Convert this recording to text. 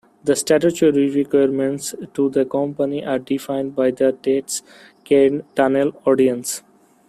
The statutory requirements to the Company are defined by the Tate's Cairn Tunnel Ordinance.